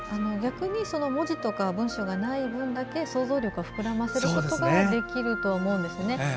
逆に文字とか文章がない分だけ、想像力を膨らませることができると思うんですよね。